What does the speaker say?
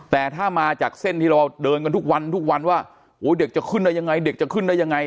แต่ถ้ามาจากเส้นที่เราเดินกันทุกวันทุกวันว่าโอ้เด็กจะขึ้นได้ยังไงเด็กจะขึ้นได้ยังไง